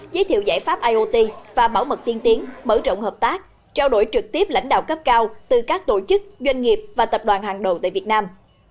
giới thiệu giải pháp iot và bảo mật tiên tiến mở rộng hợp tác trao đổi trực tiếp lãnh đạo cấp cao từ các tổ chức doanh nghiệp và tập đoàn hàng đầu tại việt nam